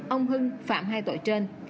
ông hưng phạm hai tội trên